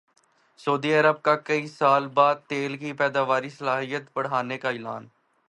سعودی عرب کا کئی سال بعد تیل کی پیداواری صلاحیت بڑھانے کا اعلان